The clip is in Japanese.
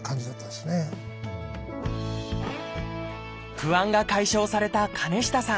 不安が解消された鐘下さん。